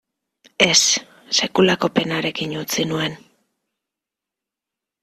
Ez, sekulako penarekin utzi nuen.